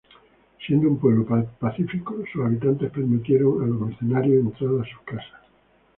Siendo un pueblo pacífico, sus habitantes permitieron a los mercenarios entrar a sus casas.